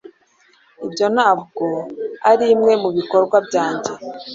ibyo ntabwo arimwe mubikorwa byanjye